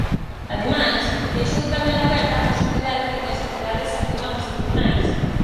Ademais, deixou tamén aberta a posibilidade de que as entidades acudan aos tribunais.